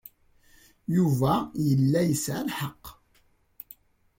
Yuba yella yesɛa lḥeqq.